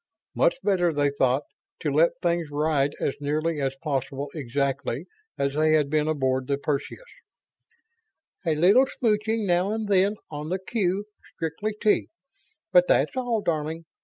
Much better, they thought, to let things ride as nearly as possible exactly as they had been aboard the Perseus. "A little smooching now and then, on the Q strictly T, but that's all, darling.